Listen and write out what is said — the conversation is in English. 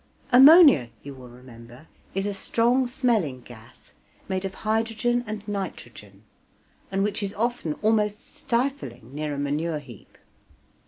Ammonia, you will remember, is a strong smelling gas, made of hydrogen and nitrogen, and which is often almost stifling near a manure heap.